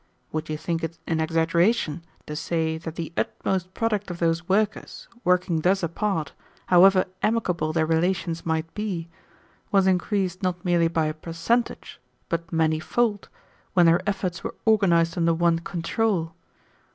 Would you think it an exaggeration to say that the utmost product of those workers, working thus apart, however amicable their relations might be, was increased not merely by a percentage, but many fold, when their efforts were organized under one control?